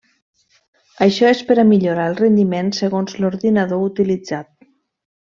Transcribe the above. Això és per a millorar el rendiment segons l'ordinador utilitzat.